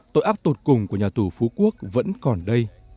tội ác tột cùng của nhà tù phú quốc vẫn còn đây